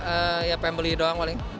eee ya pengen beli doang paling